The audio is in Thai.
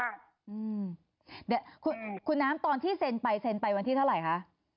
เดี๋ยวคุณน้ำตอนที่เซ็นไปเซ็นไปวันที่เท่าไหร่คะ